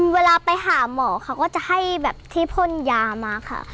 เวลาไปหาหมอเขาก็จะให้แบบที่พ่นยามาค่ะ